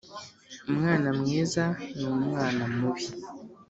Umwana mwiza n umwana mubi